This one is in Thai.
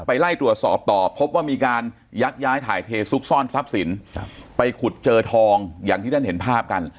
ไล่ตรวจสอบต่อพบว่ามีการยักย้ายถ่ายเทซุกซ่อนทรัพย์สินไปขุดเจอทองอย่างที่ท่านเห็นภาพกัน